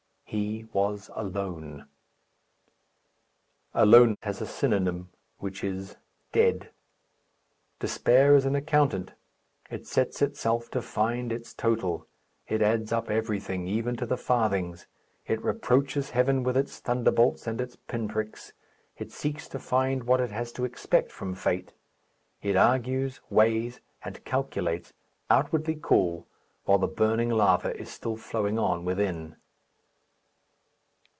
He was alone. Alone has a synonym, which is Dead. Despair is an accountant. It sets itself to find its total; it adds up everything, even to the farthings. It reproaches Heaven with its thunderbolts and its pinpricks. It seeks to find what it has to expect from fate. It argues, weighs, and calculates, outwardly cool, while the burning lava is still flowing on within.